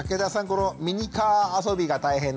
このミニカーあそびが大変だと。